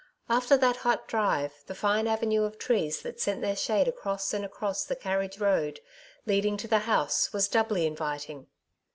After that hot drive, the fine avenue of trees that sent their shade across and across the carriage road leading to the house, was doubly inviting.